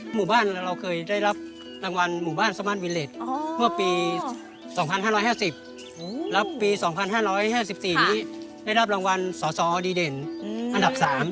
หมู่บ้านเราเคยได้รับรางวัลหมู่บ้านสมานวิเล็ตเมื่อปี๒๕๕๐แล้วปี๒๕๕๔นี้ได้รับรางวัลสอสอดีเด่นอันดับ๓